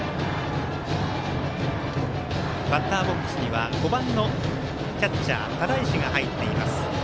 バッターボックスには５番のキャッチャー只石が入っています。